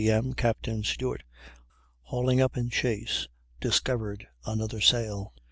M., Captain Stewart, hauling up in chase, discovered another sail.